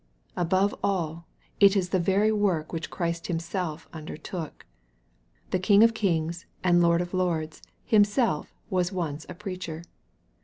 Above all, it is the very work which Christ Himself undertook. The King of kings and Lord of lords Himself was once a preacher.